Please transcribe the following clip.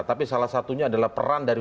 tapi salah satunya adalah peran dari